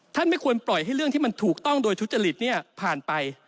ไม่ควรปล่อยให้เรื่องที่มันถูกต้องโดยทุจริตผ่านไป